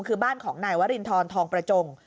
คือบ้านของนายวรินทรทองประจง